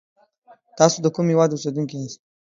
تاسی دکوم هیواد اوسیدونکی یاست